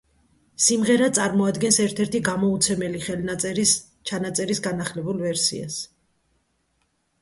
სიმღერა წარმოადგენს ერთ-ერთი გამოუცემელი ჩანაწერის განახლებულ ვერსიას.